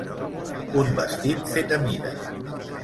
Un vestit fet a mida.